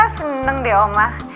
seneng deh oma